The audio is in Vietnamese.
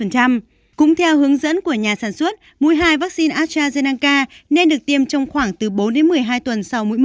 cũng theo hướng dẫn của nhà sản xuất mũi hai vaccine astrazeneca nên được tiêm trong khoảng từ bốn đến một mươi hai tuần sau mũi một